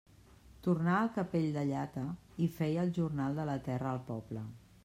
Tornà al capell de llata i feia el jornal de la terra al poble.